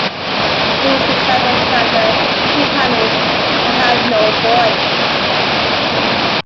When he was assigned the character, he panicked: I have no voice!